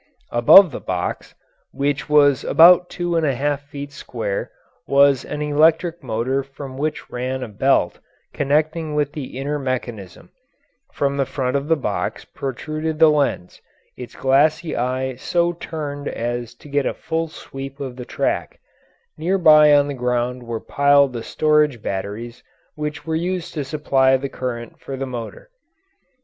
Above the box, which was about two and a half feet square, was an electric motor from which ran a belt connecting with the inner mechanism; from the front of the box protruded the lens, its glassy eye so turned as to get a full sweep of the track; nearby on the ground were piled the storage batteries which were used to supply the current for the motor.